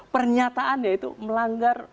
pernyataannya itu melanggar